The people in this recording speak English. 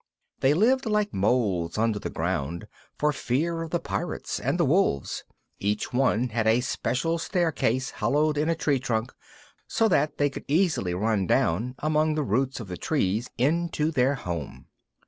They lived like moles under the ground, for fear of the Pirates and the wolves. Each one had a special staircase hollowed in a tree trunk, so that they could easily run down among the roots of the trees into their home.